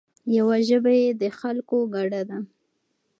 یوه ژبه یې د خلکو ګډه ده.